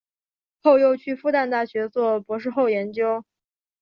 后又去复旦大学做博士后研究。